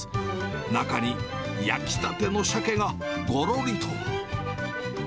中に焼きたてのさけがごろりと。